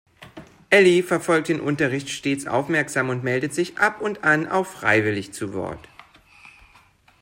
Elli verfolgt den Unterricht stets aufmerksam und meldet sich ab und an auch freiwillig zu Wort.